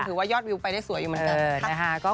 ยอดวิวไปได้สวยอยู่เหมือนกัน